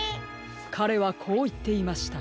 かれはこういっていました。